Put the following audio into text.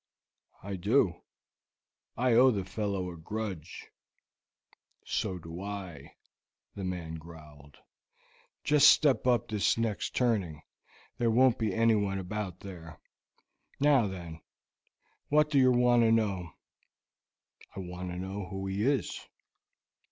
"I do; I owe the fellow a grudge." "So do I," the man growled. "Just step up this next turning; there won't be anyone about there. Now, then, what do yer want to know?" "I want to know who he is."